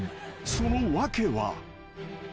その訳は］